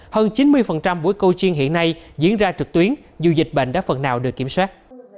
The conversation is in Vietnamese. hơn chín mươi buổi câu chiêng hiện nay diễn ra trực tuyến dù dịch bệnh đã phần nào được kiểm soát